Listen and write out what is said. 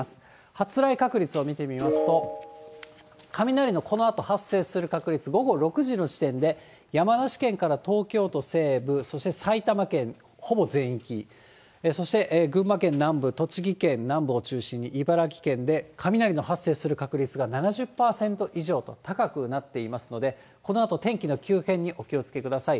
発雷確率らしく見てみますと、雷のこのあと発生する確率、午後６時の時点で、山梨県から東京西部、そして埼玉県ほぼ全域、そして群馬県南部、栃木県南部を中心に、茨城県で雷の発生する確率が７０％以上と、高くなっていますので、このあと天気の急変にお気をつけください。